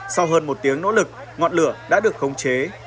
sau hơn một tiếng nỗ lực ngọn lửa đã được khống chế